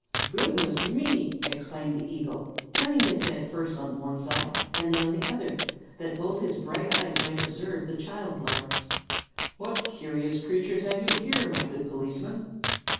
"Goodness me!" exclaimed the eagle, turning his head first on one side and then on the other, that both his bright eyes might observe the child larks; "what curious creatures have you here, my good policeman?"